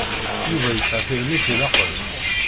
Yuba yesεa tirmit ilaqen.